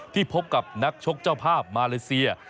พบกับนักชกเจ้าภาพมาเลเซีย